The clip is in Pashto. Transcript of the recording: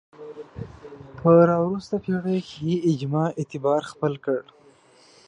په راوروسته پېړیو کې اجماع اعتبار خپل کړ